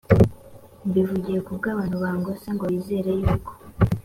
mbivugiye ku bw’abantu bangose ngo bizere yuko